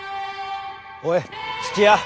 おい土屋！